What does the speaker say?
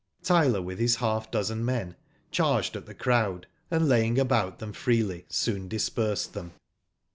Tyler, with his half dozen men, charged at the crowd, and laying abx)ut them freely, soon dispersed them.